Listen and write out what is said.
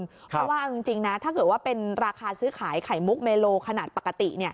เพราะว่าจริงถ้าเป็นราคาซื้อขายไขมุกเมโลนี่ขนาดปกติ